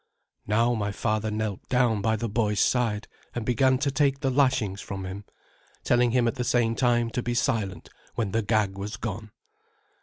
Now my father knelt down by the boy's side, and began to take the lashings from him, telling him at the same time to be silent when the gag was gone.